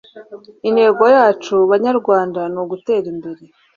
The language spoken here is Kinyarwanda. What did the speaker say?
intego yacu banyarwanda n'ugutera imbere